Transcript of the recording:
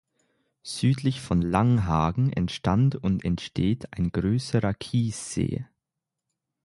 Südlich von Langhagen entstand und entsteht ein größerer Kiessee.